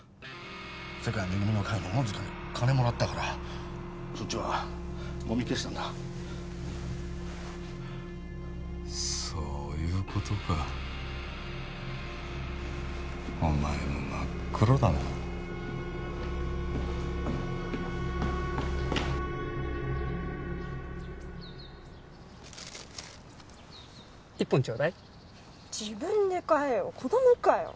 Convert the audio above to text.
世界恵みの会の小野塚に金もらったからそっちはもみ消したんだそういうことかお前も真っ黒だな一本ちょうだい自分で買えよ子供かよ